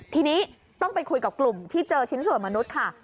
ทีนี้ต้องไปคุยกับกลุ่มที่เจอชิ้นส่วนมนุษย์ค่ะ